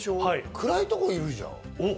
暗いところにいるじゃん。